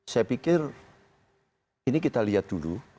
saya pikir ini kita lihat dulu